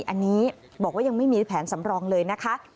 อันนี้บอกว่ายังไม่มีแผนสำรองเลยนะคะ